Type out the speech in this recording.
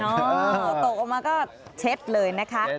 ตกออกมาก็เช็ดเลยนะคะ